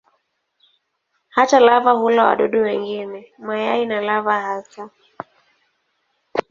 Hata lava hula wadudu wengine, mayai na lava hasa.